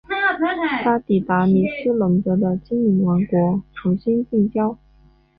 他抵达米斯龙德的精灵王国重新建交。